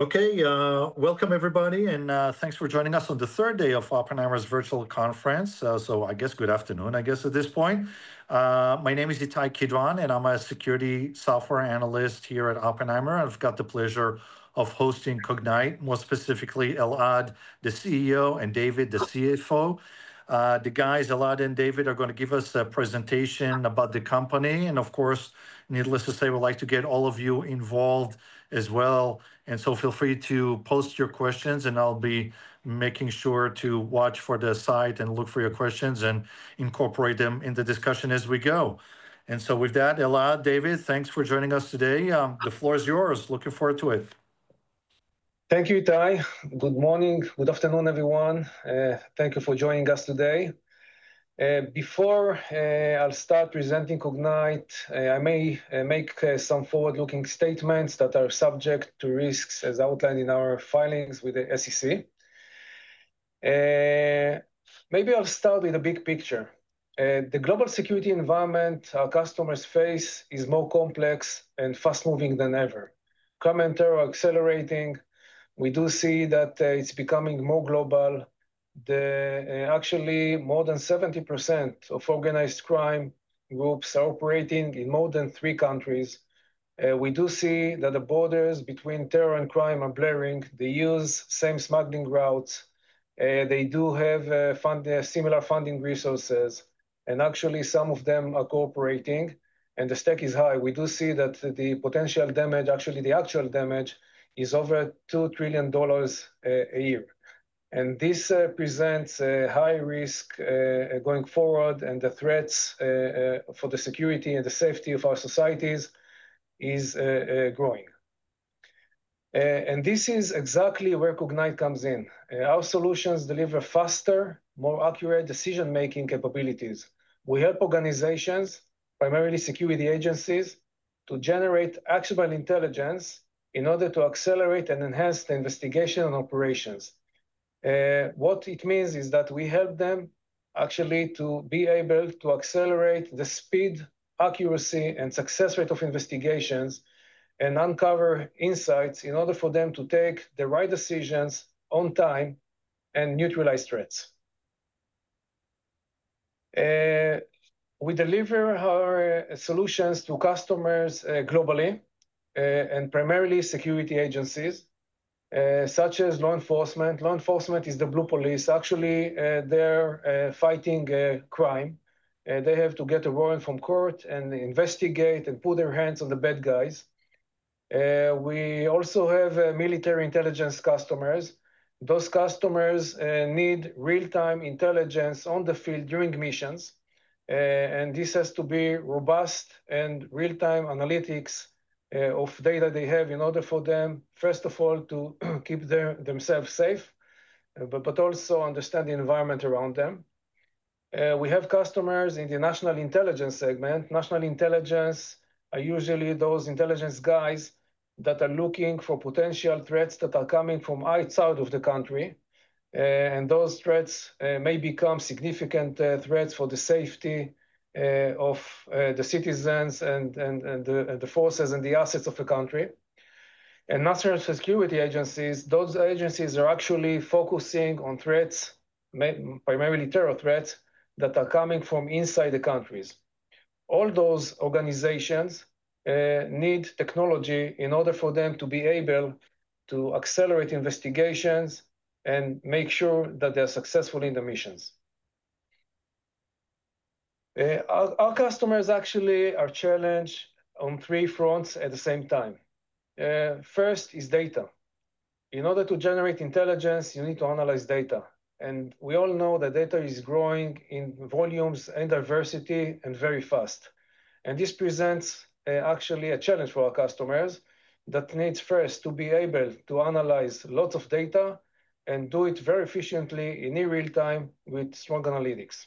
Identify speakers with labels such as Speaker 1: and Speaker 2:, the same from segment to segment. Speaker 1: OK, welcome everybody, and thanks for joining us on the third day of Oppenheimer's Virtual Conference. Good afternoon, I guess, at this point. My name is Ittai Kidron, and I'm a Security Software Analyst here at Oppenheimer. I've got the pleasure of hosting Cognyte, more specifically Elad, the CEO, and David, the CFO. The guys; Elad and David, are going to give us a presentation about the company. Needless to say, we'd like to get all of you involved as well. Feel free to post your questions, and I'll be making sure to watch for the site and look for your questions and incorporate them in the discussion as we go. With that, Elad, David, thanks for joining us today. The floor is yours. Looking forward to it.
Speaker 2: Thank you, Itay. Good morning. Good afternoon, everyone. Thank you for joining us today. Before I start presenting Cognyte, I may make some forward-looking statements that are subject to risks, as outlined in our filings with the SEC. Maybe I'll start with the big picture. The global security environment our customers face is more complex and fast-moving than ever. Crime and terror are accelerating. We do see that it's becoming more global. Actually, more than 70% of organized crime groups are operating in more than three countries. We do see that the borders between terror and crime are blurring. They use the same smuggling routes. They do have similar funding resources. Actually, some of them are cooperating, and the stake is high. We do see that the potential damage, actually the actual damage, is over $2 trillion a year. This presents a high risk going forward, and the threats for the security and the safety of our societies are growing. This is exactly where Cognyte comes in. Our solutions deliver faster, more accurate decision-making capabilities. We help organizations, primarily security agencies, to generate actionable intelligence in order to accelerate and enhance the investigation and operations. What it means is that we help them, actually, to be able to accelerate the speed, accuracy, and success rate of investigations and uncover insights in order for them to take the right decisions on time and neutralize threats. We deliver our solutions to customers globally, and primarily security agencies, such as law enforcement. Law enforcement is the blue police. Actually, they're fighting crime. They have to get a warrant from court and investigate and put their hands on the bad guys. We also have military intelligence customers. Those customers need real-time intelligence on the field during missions. This has to be robust and real-time analytics of data they have in order for them, first of all, to keep themselves safe, but also understand the environment around them. We have customers in the national intelligence segment. National intelligence are usually those intelligence guys that are looking for potential threats that are coming from outside of the country. Those threats may become significant threats for the safety of the citizens and the forces and the assets of the country. National security agencies, those agencies are actually focusing on threats, primarily terror threats, that are coming from inside the countries. All those organizations need technology in order for them to be able to accelerate investigations and make sure that they are successful in the missions. Our customers actually are challenged on three fronts at the same time. First is data. In order to generate intelligence, you need to analyze data. We all know that data is growing in volumes and diversity and very fast. This presents actually a challenge for our customers that needs, first, to be able to analyze lots of data and do it very efficiently in real time with strong analytics.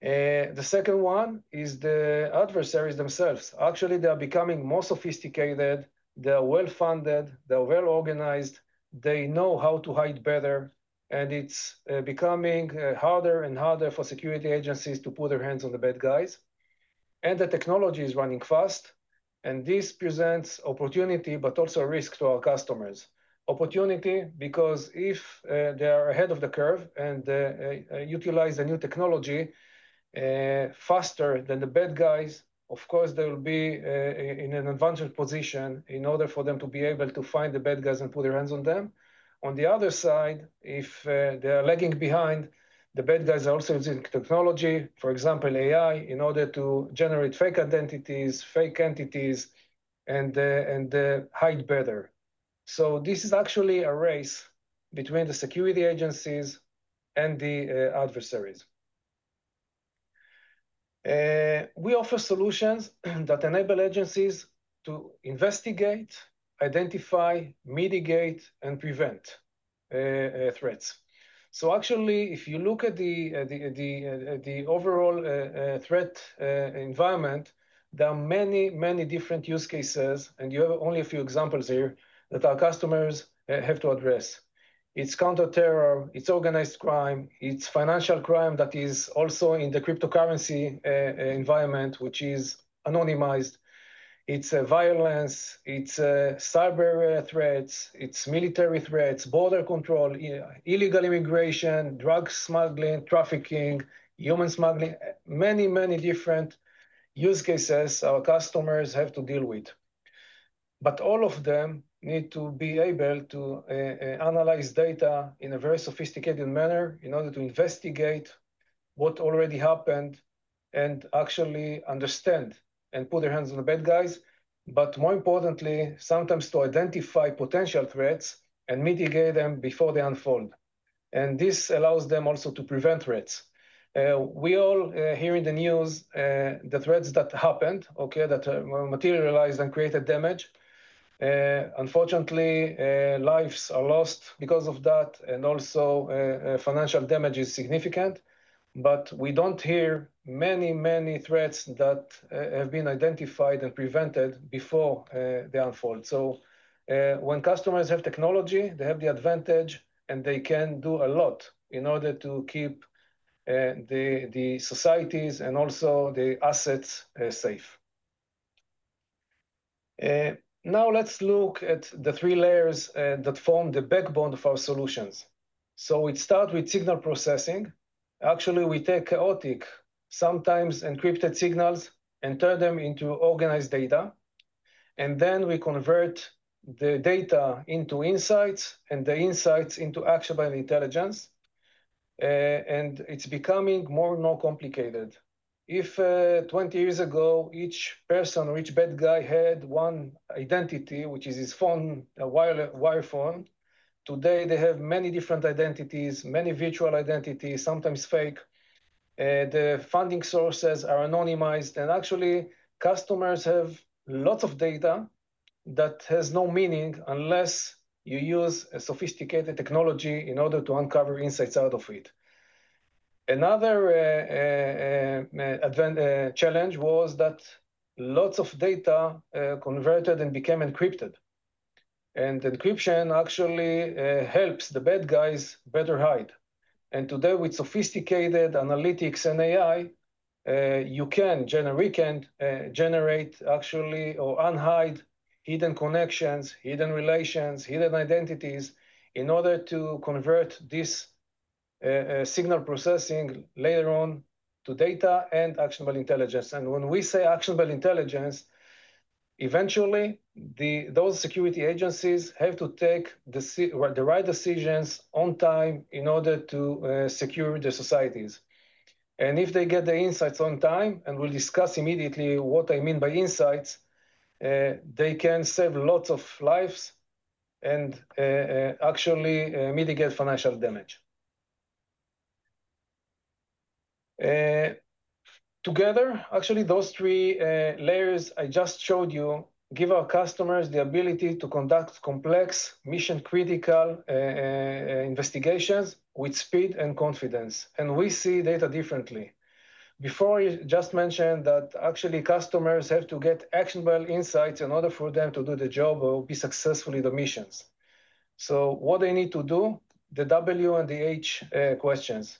Speaker 2: The second one is the adversaries themselves. Actually, they are becoming more sophisticated. They are well-funded. They are well-organized. They know how to hide better. It is becoming harder and harder for security agencies to put their hands on the bad guys. The technology is running fast. This presents opportunity, but also risk, to our customers. Opportunity because if they are ahead of the curve and utilize the new technology faster than the bad guys, of course, they will be in an advantage position in order for them to be able to find the bad guys and put their hands on them. On the other side, if they are lagging behind, the bad guys are also using technology, for example, AI, in order to generate fake identities, fake entities, and hide better. This is actually a race between the security agencies and the adversaries. We offer solutions that enable agencies to investigate, identify, mitigate, and prevent threats. If you look at the overall threat environment, there are many, many different use cases, and you have only a few examples here, that our customers have to address. It is counter-terror. It is organized crime. It is financial crime that is also in the cryptocurrency environment, which is anonymized. It is violence. It is cyber threats. It is military threats, border control, illegal immigration, drug smuggling, trafficking, human smuggling. Many, many different use cases our customers have to deal with. All of them need to be able to analyze data in a very sophisticated manner in order to investigate what already happened and actually understand and put their hands on the bad guys, but more importantly, sometimes to identify potential threats and mitigate them before they unfold. This allows them also to prevent threats. We all hear in the news the threats that happened, OK, that materialized and created damage. Unfortunately, lives are lost because of that, and also financial damage is significant. We don't hear many, many threats that have been identified and prevented before they unfold. When customers have technology, they have the advantage, and they can do a lot in order to keep the societies and also the assets safe. Now let's look at the three layers that form the backbone of our solutions. We start with signal processing. Actually, we take chaotic, sometimes encrypted signals and turn them into organized data. Then we convert the data into insights and the insights into actionable intelligence. It's becoming more and more complicated. If 20 years ago, each person or each bad guy had one identity, which is his phone, a wire phone, today they have many different identities, many virtual identities, sometimes fake. The funding sources are anonymized. Actually, customers have lots of data that has no meaning unless you use a sophisticated technology in order to uncover insights out of it. Another challenge was that lots of data converted and became encrypted. Encryption actually helps the bad guys better hide. Today, with sophisticated analytics and AI, you can generate actually or unhide hidden connections, hidden relations, hidden identities in order to convert this signal processing later on to data and actionable intelligence. When we say actionable intelligence, eventually, those security agencies have to take the right decisions on time in order to secure their societies. If they get the insights on time, and we'll discuss immediately what I mean by insights, they can save lots of lives and actually mitigate financial damage. Together, those three layers I just showed you give our customers the ability to conduct complex, mission-critical investigations with speed and confidence. We see data differently. Before, I just mentioned that actually customers have to get actionable insights in order for them to do the job or be successful in the missions. What they need to do, the W and the H questions.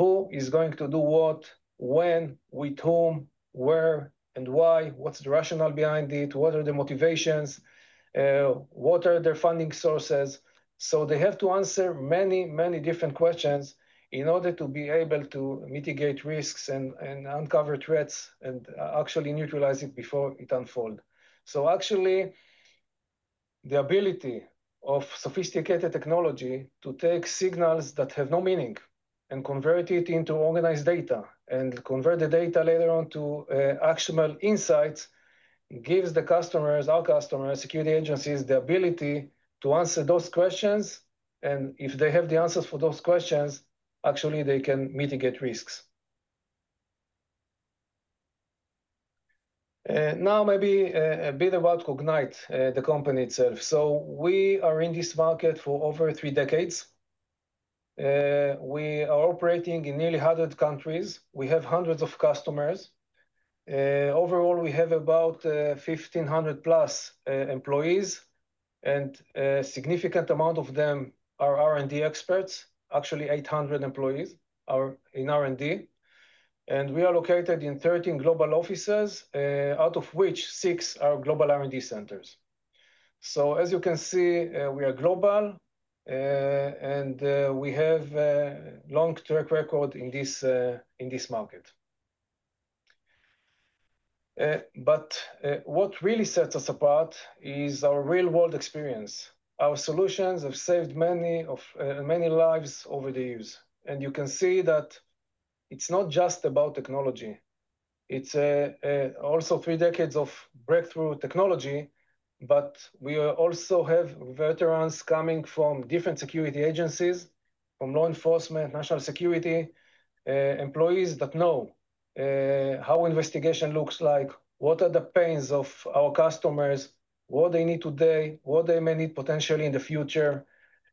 Speaker 2: Who is going to do what, when, with whom, where, and why? What's the rationale behind it? What are the motivations? What are their funding sources? They have to answer many, many different questions in order to be able to mitigate risks and uncover threats and actually neutralize it before it unfolds. The ability of sophisticated technology to take signals that have no meaning and convert it into organized data and convert the data later on to actionable insights gives the customers, our customers, security agencies, the ability to answer those questions. If they have the answers for those questions, they can mitigate risks. Maybe a bit about Cognyte, the company itself. We are in this market for over three decades. We are operating in nearly 100 countries. We have hundreds of customers. Overall, we have about 1,500+ employees. A significant amount of them are R&D experts. Actually, 800 employees are in R&D. We are located in 13 global offices, out of which 6 are global R&D centers. As you can see, we are global, and we have a long track record in this market. What really sets us apart is our real-world experience. Our solutions have saved many lives over the years. You can see that it's not just about technology. It's also three decades of breakthrough technology, but we also have veterans coming from different security agencies, from law enforcement, national security, employees that know how investigation looks like, what are the pains of our customers, what they need today, what they may need potentially in the future.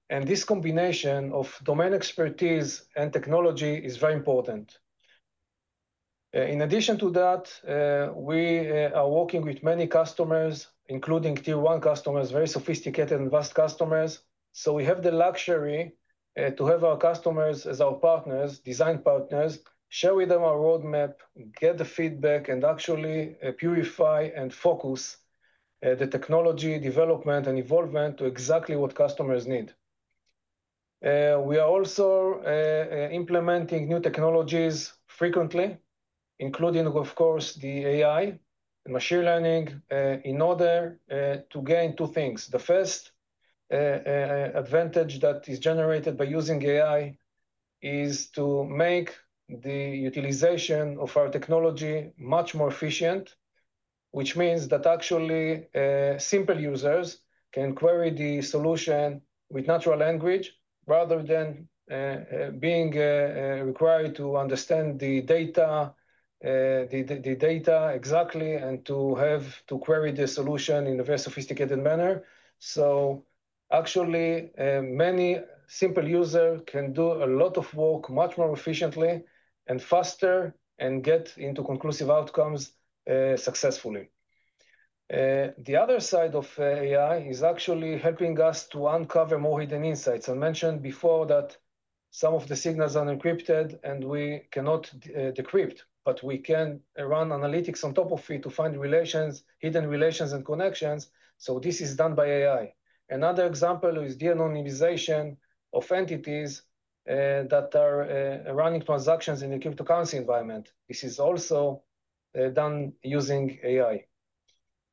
Speaker 2: This combination of domain expertise and technology is very important. In addition to that, we are working with many customers, including tier one customers, very sophisticated and vast customers. We have the luxury to have our customers as our partners, design partners, share with them our roadmap, get the feedback, and purify and focus the technology development and evolvement to exactly what customers need. We are also implementing new technologies frequently, including, of course, the AI, machine learning, in order to gain two things. The first advantage that is generated by using AI is to make the utilization of our technology much more efficient, which means that simple users can query the solution with natural language rather than being required to understand the data exactly and to have to query the solution in a very sophisticated manner. Many simple users can do a lot of work much more efficiently and faster and get into conclusive outcomes successfully. The other side of AI is helping us to uncover more hidden insights. I mentioned before that some of the signals are encrypted, and we cannot decrypt, but we can run analytics on top of it to find hidden relations and connections. This is done by AI. Another example is the anonymization of entities that are running transactions in the cryptocurrency environment. This is also done using AI.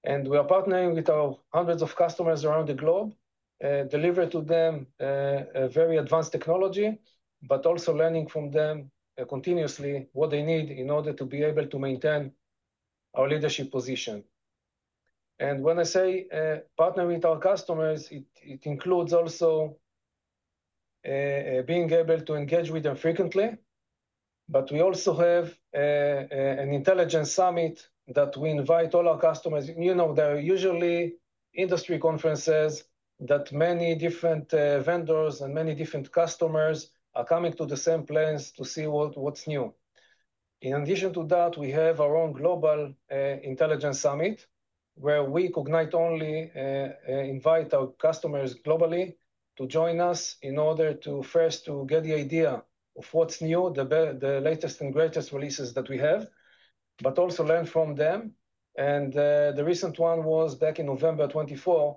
Speaker 2: We are partnering with our hundreds of customers around the globe, delivering to them very advanced technology, but also learning from them continuously what they need in order to be able to maintain our leadership position. When I say partner with our customers, it includes also being able to engage with them frequently. We also have an intelligence summit that we invite all our customers. There are usually industry conferences that many different vendors and many different customers are coming to the same place to see what's new. In addition to that, we have our own Global Intelligence Summit, where we, Cognyte, only invite our customers globally to join us in order first to get the idea of what's new, the latest and greatest releases that we have, but also learn from them. The recent one was back in November 2024,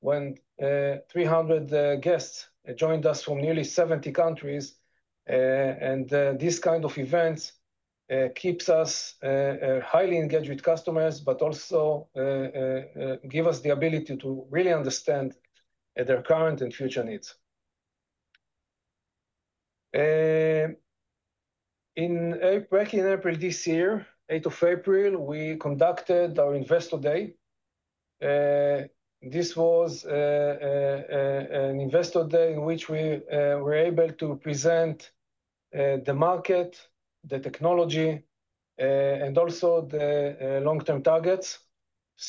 Speaker 2: when 300 guests joined us from nearly 70 countries. This kind of event keeps us highly engaged with customers, but also gives us the ability to really understand their current and future needs. Back in April this year, 8th of April, we conducted our Investor Day. This was an Investor Day in which we were able to present the market, the technology, and also the long-term targets.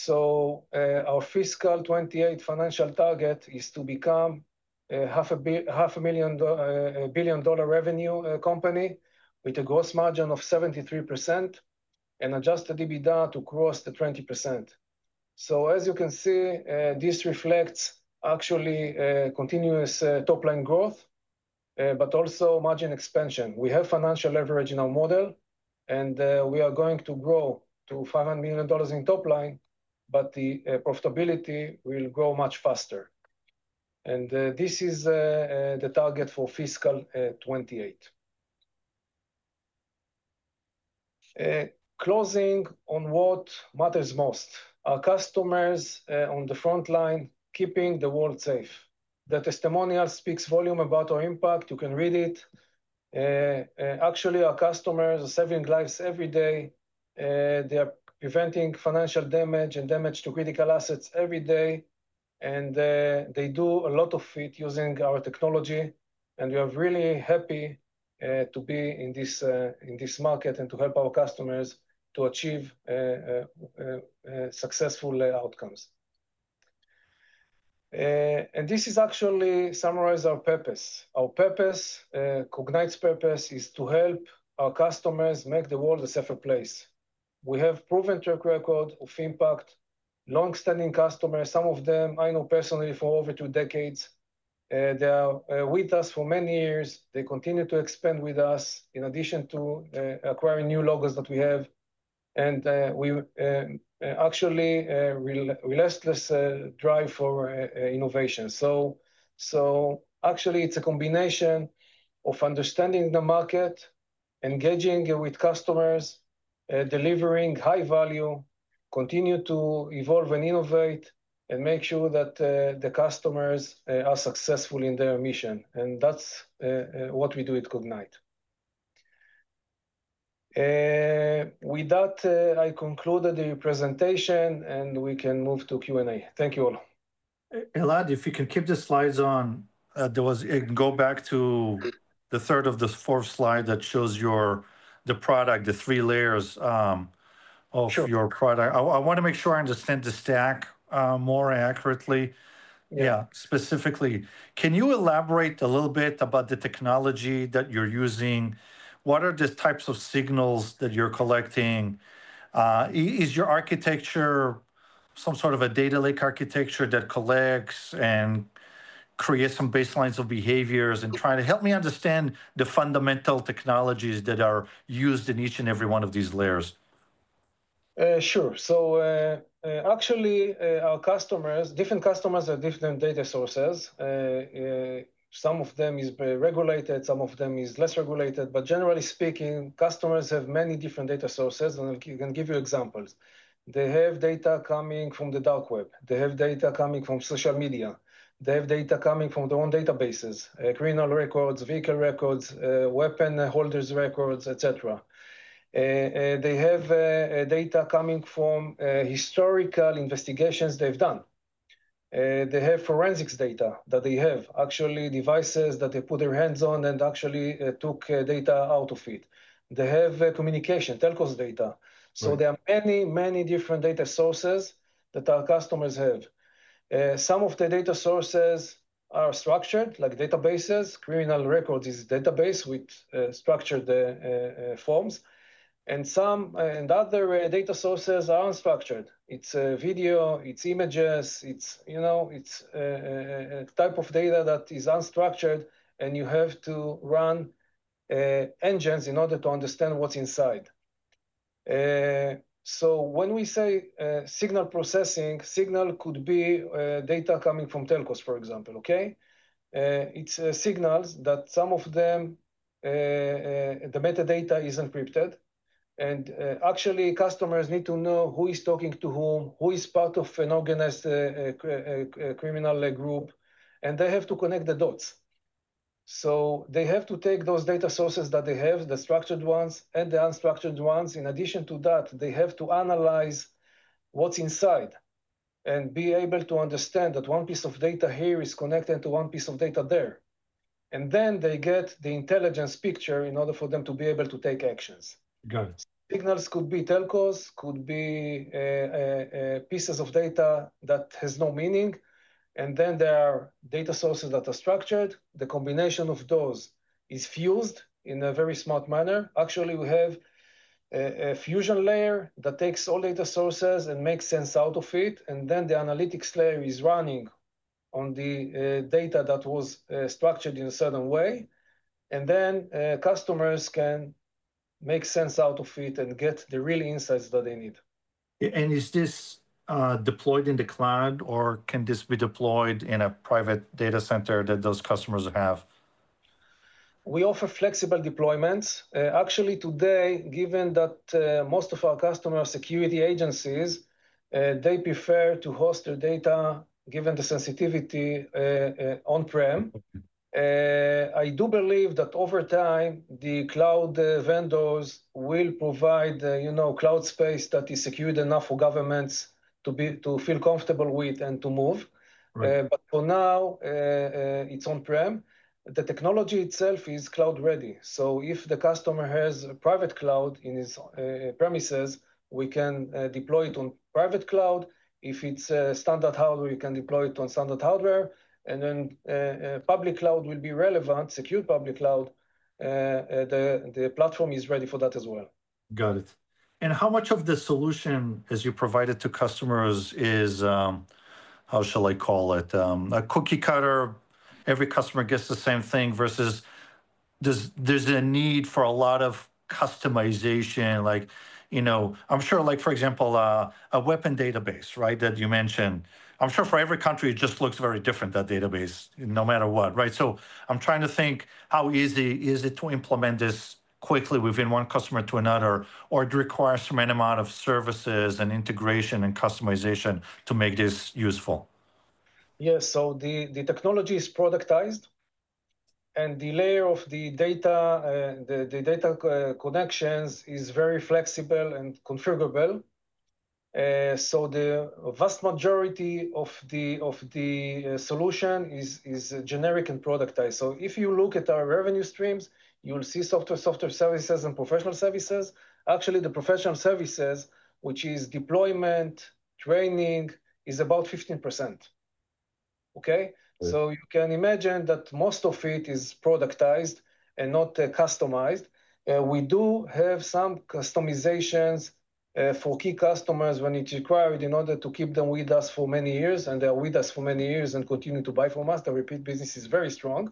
Speaker 2: Our fiscal 2028 financial target is to become a half a billion-dollar revenue company with a gross margin of 73% and adjusted EBITDA close to 20%. As you can see, this reflects actually continuous top-line growth, but also margin expansion. We have financial leverage in our model, and we are going to grow to $500 million in top-line, but the profitability will grow much faster. This is the target for fiscal 2028. Closing on what matters most, our customers on the front line, keeping the world safe. The testimonial speaks volume about our impact. You can read it. Actually, our customers are saving lives every day. They are preventing financial damage and damage to critical assets every day. They do a lot of it using our technology. We are really happy to be in this market and to help our customers to achieve successful outcomes. This is actually summarizing our purpose. Our purpose, Cognyte's purpose, is to help our customers make the world a safer place. We have a proven track record of impact. Longstanding customers, some of them I know personally for over two decades, are with us for many years. They continue to expand with us in addition to acquiring new logos that we have. We actually have a relentless drive for innovation. It is a combination of understanding the market, engaging with customers, delivering high value, continuing to evolve and innovate, and making sure that the customers are successful in their mission. That's what we do at Cognyte. With that, I conclude the presentation, and we can move to Q&A. Thank you all.
Speaker 1: Elad, if you can keep the slides on, can you go back to the third or the fourth slide that shows the product, the three layers of your product? I want to make sure I understand the stack more accurately. Specifically, can you elaborate a little bit about the technology that you're using? What are the types of signals that you're collecting? Is your architecture some sort of a data lake architecture that collects and creates some baselines of behaviors? Try to help me understand the fundamental technologies that are used in each and every one of these layers.
Speaker 2: Sure. Actually, our customers, different customers have different data sources. Some of them are regulated. Some of them are less regulated. Generally speaking, customers have many different data sources. I can give you examples. They have data coming from the dark web. They have data coming from social media. They have data coming from their own databases, criminal records, vehicle records, weapon holders' records, etc. They have data coming from historical investigations they've done. They have forensics data that they have, actually devices that they put their hands on and actually took data out of it. They have communication, telcos data. There are many, many different data sources that our customers have. Some of the data sources are structured, like databases. Criminal records are a database with structured forms. Some other data sources are unstructured. It's video. It's images. It's a type of data that is unstructured, and you have to run engines in order to understand what's inside. When we say signal processing, signal could be data coming from telcos, for example, OK? It's signals that some of them, the metadata is encrypted. Actually, customers need to know who is talking to whom, who is part of an organized criminal group. They have to connect the dots. They have to take those data sources that they have, the structured ones and the unstructured ones. In addition to that, they have to analyze what's inside and be able to understand that one piece of data here is connected to one piece of data there. Then they get the intelligence picture in order for them to be able to take actions.
Speaker 1: Got it.
Speaker 2: Signals could be telcos, could be pieces of data that have no meaning. There are data sources that are structured. The combination of those is fused in a very smart manner. Actually, we have a fusion layer that takes all data sources and makes sense out of it. The analytics layer is running on the data that was structured in a certain way. Customers can make sense out of it and get the real insights that they need.
Speaker 1: Is this deployed in the cloud, or can this be deployed in a private data center that those customers have?
Speaker 2: We offer flexible deployments. Actually, today, given that most of our customers are security agencies, they prefer to host their data given the sensitivity on-prem. I do believe that over time, the cloud vendors will provide cloud space that is secured enough for governments to feel comfortable with and to move. For now, it's on-prem. The technology itself is cloud-ready. If the customer has a private cloud in his premises, we can deploy it on private cloud. If it's standard hardware, you can deploy it on standard hardware. Public cloud will be relevant, secure public cloud. The platform is ready for that as well.
Speaker 1: Got it. How much of the solution that you provide to customers is, how shall I call it, a cookie cutter? Every customer gets the same thing versus there's a need for a lot of customization. Like, for example, a weapon database, right, that you mentioned. I'm sure for every country, it just looks very different, that database, no matter what, right? I'm trying to think, how easy is it to implement this quickly within one customer to another? It requires a certain amount of services and integration and customization to make this useful?
Speaker 2: Yes, the technology is productized. The layer of the data and the data connections is very flexible and configurable. The vast majority of the solution is generic and productized. If you look at our revenue streams, you'll see software services and professional services. Actually, the professional services, which is deployment, training, is about 15%. You can imagine that most of it is productized and not customized. We do have some customizations for key customers when it's required in order to keep them with us for many years. They are with us for many years and continue to buy from us. The repeat business is very strong.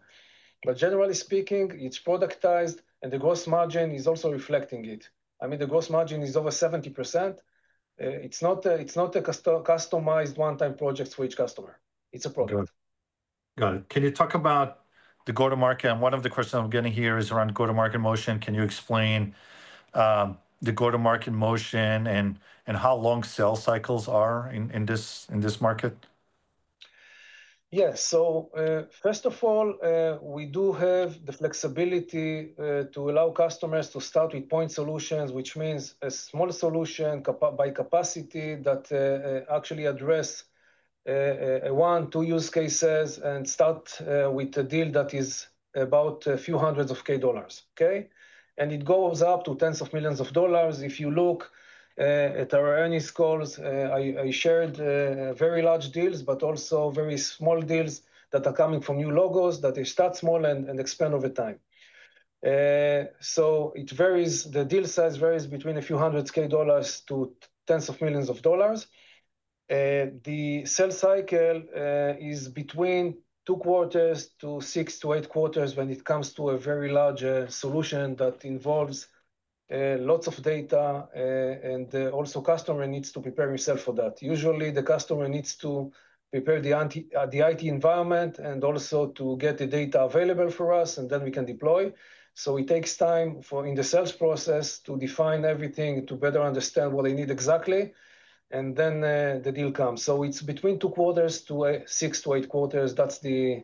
Speaker 2: Generally speaking, it's productized, and the gross margin is also reflecting it. The gross margin is over 70%. It's not a customized one-time project for each customer. It's a product.
Speaker 1: Got it. Can you talk about the go-to-market? One of the questions I'm getting here is around go-to-market motion. Can you explain the go-to-market motion and how long sales cycles are in this market?
Speaker 2: Yes, so first of all, we do have the flexibility to allow customers to start with point solutions, which means a small solution by capacity that actually addresses one, two use cases and starts with a deal that is about a few hundreds of dollars, OK? It goes up to tens of millions of dollars. If you look at our earnings calls, I shared very large deals, but also very small deals that are coming from new logos that start small and expand over time. The deal size varies between a few hundreds of dollars to tens of millions of dollars. The sales cycle is between two quarters to 6-8 quarters when it comes to a very large solution that involves lots of data. The customer needs to prepare himself for that. Usually, the customer needs to prepare the IT environment and also to get the data available for us, and then we can deploy. It takes time in the sales process to define everything to better understand what they need exactly. Then the deal comes. It's between two quarters to six to eight quarters. That's the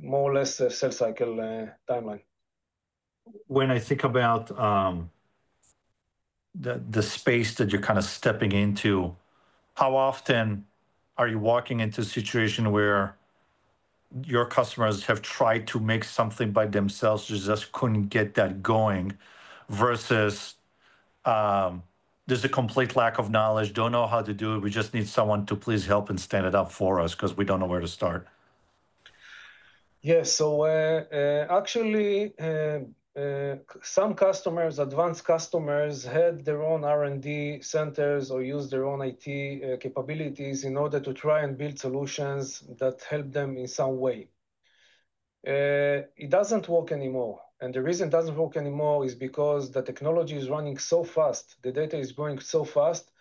Speaker 2: more or less sales cycle timeline.
Speaker 1: When I think about the space that you're kind of stepping into, how often are you walking into a situation where your customers have tried to make something by themselves, just couldn't get that going, versus there's a complete lack of knowledge, don't know how to do it, we just need someone to please help and stand it up for us because we don't know where to start?
Speaker 2: Yes, so actually, some customers, advanced customers, had their own R&D centers or used their own IT capabilities in order to try and build solutions that help them in some way. It doesn't work anymore. The reason it doesn't work anymore is because the technology is running so fast. The data is growing so fast.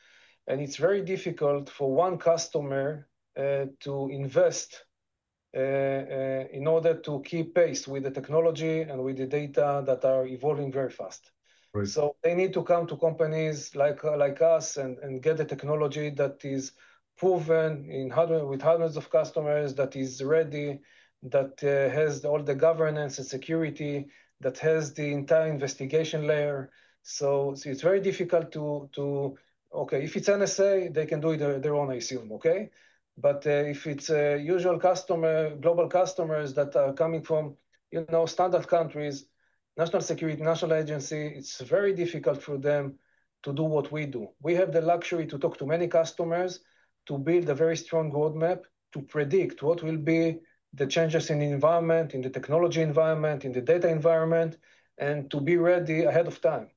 Speaker 2: It's very difficult for one customer to invest in order to keep pace with the technology and with the data that are evolving very fast. They need to come to companies like us and get the technology that is proven with hundreds of customers, that is ready, that has all the governance and security, that has the entire investigation layer. It's very difficult to, OK, if it's NSA, they can do it on their own, I assume, OK? If it's usual customer, global customers that are coming from standard countries, national security, national agency, it's very difficult for them to do what we do. We have the luxury to talk to many customers, to build a very strong roadmap, to predict what will be the changes in the environment, in the technology environment, in the data environment, and to be ready ahead of time.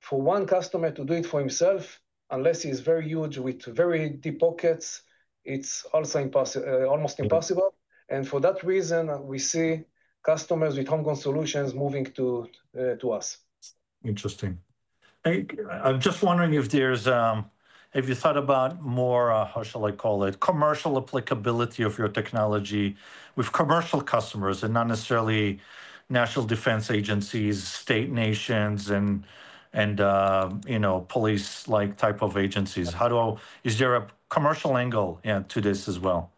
Speaker 2: For one customer to do it for himself, unless he is very huge with very deep pockets, it's also almost impossible. For that reason, we see customers with homegrown solutions moving to us.
Speaker 1: Interesting. I'm just wondering if there's, have you thought about more, how shall I call it, commercial applicability of your technology with commercial customers and not necessarily national defense agencies, state nations, and police-like type of agencies? Is there a commercial angle to this as well?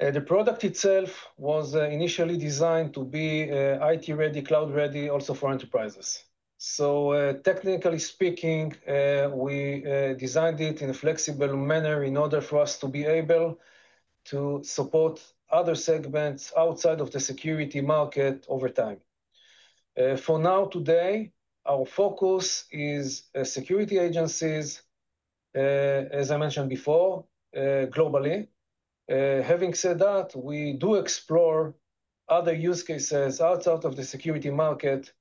Speaker 2: The product itself was initially designed to be IT-ready, cloud-ready, also for enterprises. Technically speaking, we designed it in a flexible manner in order for us to be able to support other segments outside of the security market over time. For now, today, our focus is security agencies, as I mentioned before, globally. Having said that, we do explore other use cases outside of the security market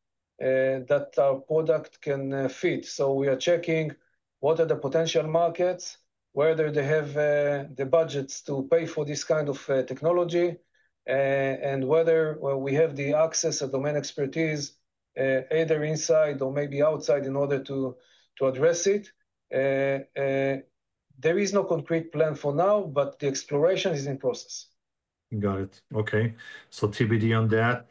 Speaker 2: that our product can fit. We are checking what are the potential markets, whether they have the budgets to pay for this kind of technology, and whether we have the access of domain expertise, either inside or maybe outside, in order to address it. There is no concrete plan for now, but the exploration is in process.
Speaker 1: Got it. OK, TBD on that.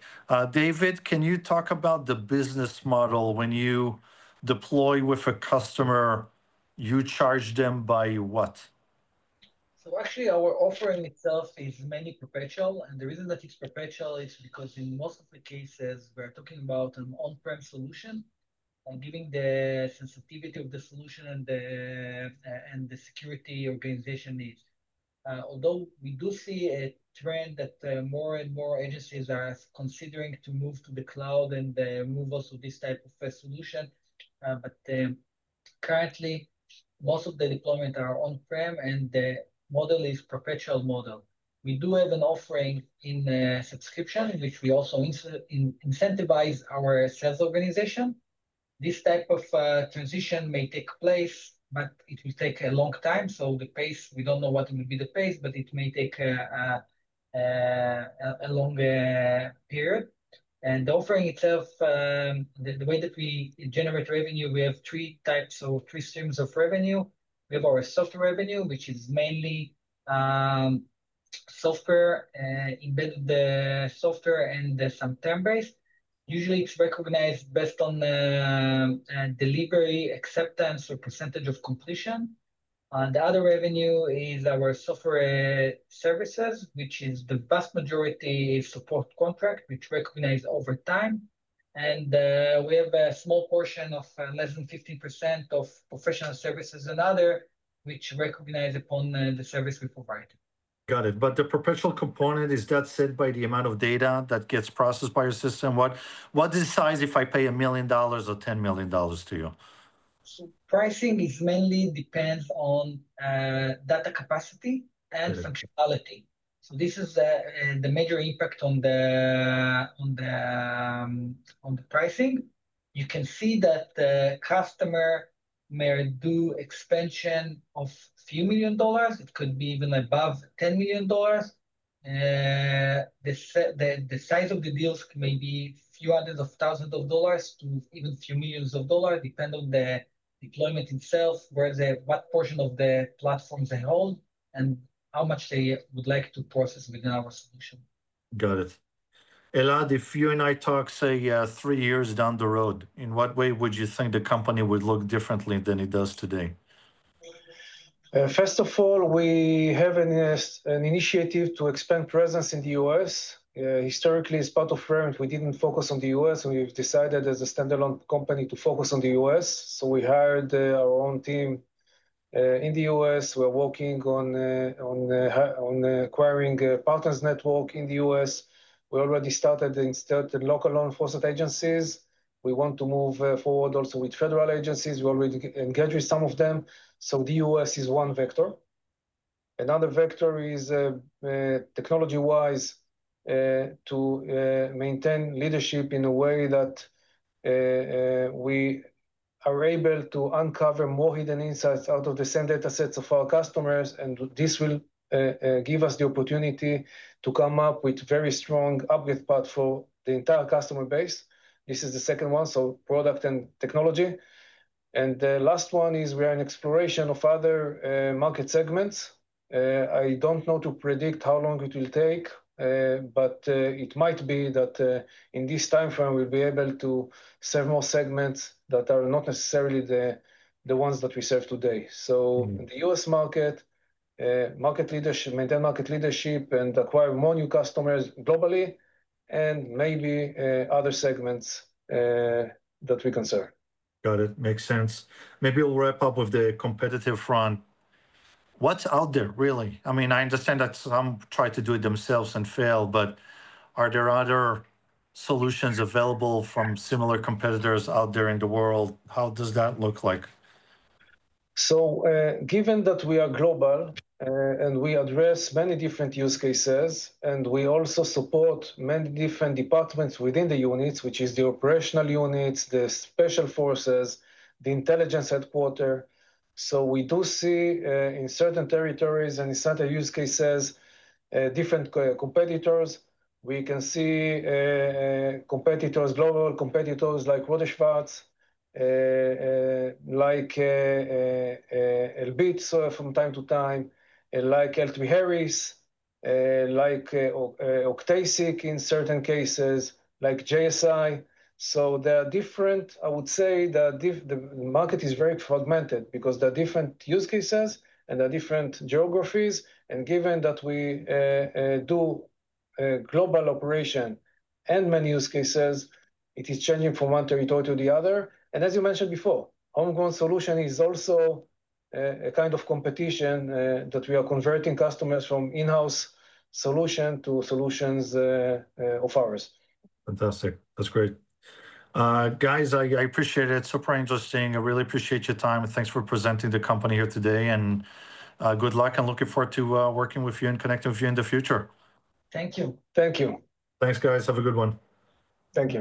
Speaker 1: David, can you talk about the business model? When you deploy with a customer, you charge them by what?
Speaker 3: Our offering itself is mainly perpetual. The reason that it's perpetual is because in most of the cases, we're talking about an on-prem solution, given the sensitivity of the solution and the security organization needs. Although we do see a trend that more and more agencies are considering to move to the cloud and move also this type of solution, currently, most of the deployments are on-prem, and the model is a perpetual model. We do have an offering in subscription, in which we also incentivize our sales organization. This type of transition may take place, but it will take a long time. The pace, we don't know what will be the pace, but it may take a long period. The offering itself, the way that we generate revenue, we have three types or three streams of revenue. We have our software revenue, which is mainly software and some templates. Usually, it's recognized based on delivery, acceptance, or percentage of completion. The other revenue is our software services, which is the vast majority support contract, which recognize over time. We have a small portion of less than 15% of professional services and others, which recognize upon the service we provide.
Speaker 1: Got it. Is the professional component set by the amount of data that gets processed by your system? What decides if I pay $1 million or $10 million to you?
Speaker 3: Pricing mainly depends on data capacity and functionality. This is the major impact on the pricing. You can see that the customer may do expansion of a few million dollars. It could be even above $10 million. The size of the deals may be a few hundreds of thousands of dollars to even a few millions of dollars, depending on the deployment itself, what portion of the platform they hold, and how much they would like to process within our solution.
Speaker 1: Got it. Elad, if you and I talk, say, three years down the road, in what way would you think the company would look differently than it does today?
Speaker 2: First of all, we have an initiative to expand presence in the U.S. Historically, as part of Verint, we didn't focus on the U.S. We've decided as a standalone company to focus on the U.S. We hired our own team in the U.S. We're working on acquiring partners' network in the U.S. We already started installing local law enforcement agencies. We want to move forward also with federal agencies. We already engage with some of them. The U.S. is one vector. Another vector is technology-wise to maintain leadership in a way that we are able to uncover more hidden insights out of the same data sets of our customers. This will give us the opportunity to come up with a very strong upgrade path for the entire customer base. This is the second one, so product and technology. The last one is we are in exploration of other market segments. I don't know to predict how long it will take, but it might be that in this time frame, we'll be able to serve more segments that are not necessarily the ones that we serve today. In the U.S. market, maintain market leadership and acquire more new customers globally, and maybe other segments that we can serve.
Speaker 1: Got it. Makes sense. Maybe we'll wrap up with the competitive front. What's out there, really? I mean, I understand that some try to do it themselves and fail, but are there other solutions available from similar competitors out there in the world? How does that look like?
Speaker 2: Given that we are global and we address many different use cases, we also support many different departments within the units, which is the operational units, the special forces, the intelligence headquarters. We do see in certain territories and in certain use cases different competitors. We can see global competitors like Rohde & Schwarz, like Elbit from time to time, like L3Harris, like Octasic in certain cases, like JSI. The market is very fragmented because there are different use cases and there are different geographies. Given that we do global operations and many use cases, it is changing from one territory to the other. As you mentioned before, homegrown solution is also a kind of competition that we are converting customers from in-house solutions to solutions of ours.
Speaker 1: Fantastic. That's great. Guys, I appreciate it. It's super interesting. I really appreciate your time. Thanks for presenting the company here today. Good luck. I'm looking forward to working with you and connecting with you in the future.
Speaker 3: Thank you.
Speaker 2: Thank you.
Speaker 1: Thanks, guys. Have a good one.
Speaker 2: Thank you.